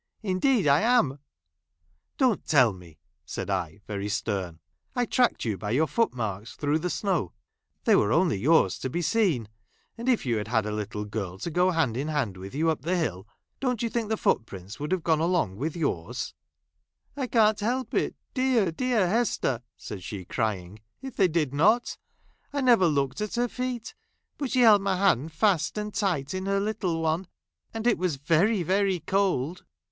Indeed I am." " Don't teU me !" said I, very stern. " I tracked you by your foot mai'ks through the snow ; there were only yours to be seen : and if you had had a little girl to go hand in ' hand with you up the hill, don't you think the foot prints would have gone along with yours ]"" I can't help it, dear, dear Hester," said she, crying, " if they did not ; I never looked at her feet, but she held ray hand fast and tight in her little one, and it was very, very cold.